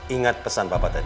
ingat pesan papa tadi